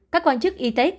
các quan chức y tế